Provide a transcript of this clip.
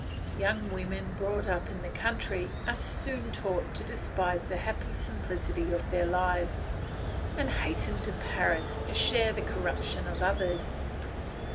Young women brought up in the country are soon taught to despise the happy simplicity of their lives, and hasten to Paris to share the corruption of ours.